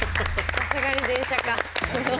さすがに電車か。